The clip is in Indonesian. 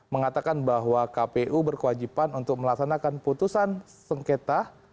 mengatakan bahwa kpu berkewajiban untuk melaksanakan putusan sengketa